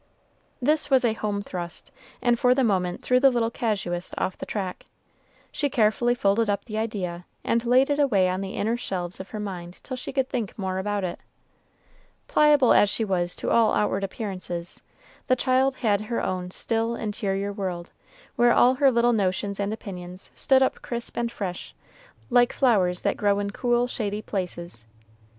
This was a home thrust, and for the moment threw the little casuist off the track. She carefully folded up the idea, and laid it away on the inner shelves of her mind till she could think more about it. Pliable as she was to all outward appearances, the child had her own still, interior world, where all her little notions and opinions stood up crisp and fresh, like flowers that grow in cool, shady places.